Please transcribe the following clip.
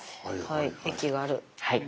はい駅がある。